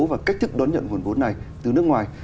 và cách thức đón nhận nguồn vốn này từ nước ngoài